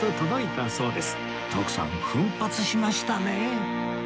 徳さん奮発しましたね